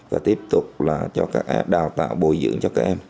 và tiếp tục là cho các đào tạo bồi dưỡng cho các em